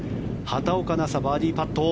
畑岡奈紗、バーディーパット。